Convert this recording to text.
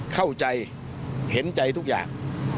เข้าใจเห็นใจทุกอย่าง